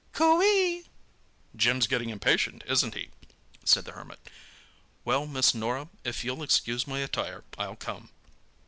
"Coo ee!" "Jim's getting impatient, isn't he?" said the Hermit. "Well, Miss Norah, if you'll excuse my attire I'll come.